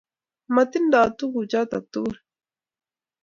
Matindeno tuguk choto tugul